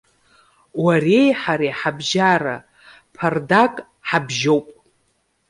Уареи ҳареи ҳабжьара ԥардак ҳабжьоуп.